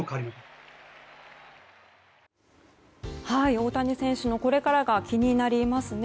大谷選手のこれからが気になりますね。